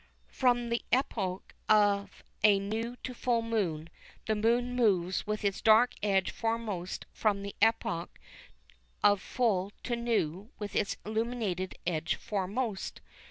] From the epoch of New to Full Moon the Moon moves with its dark edge foremost from the epoch of Full to New with its illuminated edge foremost.